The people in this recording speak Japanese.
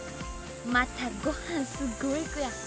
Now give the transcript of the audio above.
またごはんすっごいいくやん。